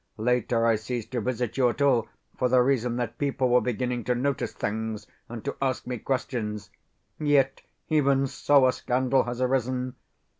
Later, I ceased to visit you at all, for the reason that people were beginning to notice things, and to ask me questions. Yet, even so, a scandal has arisen.